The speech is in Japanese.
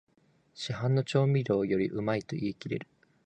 市販の調味料よりうまいと言いきれる